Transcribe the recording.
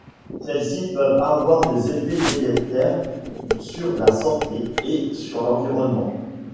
Celles-ci peuvent avoir des effets délétères sur la santé et sur l'environnement.